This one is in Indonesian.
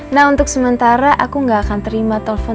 nah untuk sementara aku gak akan terima telepon